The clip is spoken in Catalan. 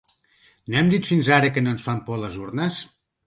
No hem dit fins ara que no ens fan por les urnes?